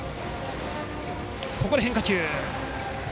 ここで変化球。